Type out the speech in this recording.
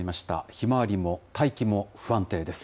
ひまわりも大気も不安定です。